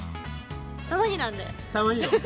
たまになんで。